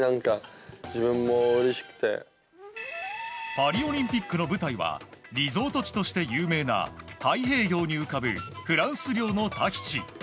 パリオリンピックの舞台はリゾート地として有名な太平洋に浮かぶフランス領のタヒチ。